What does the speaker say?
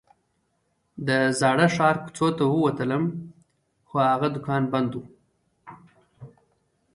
د زاړه ښار کوڅو ته ووتلم خو هغه دوکان بند و.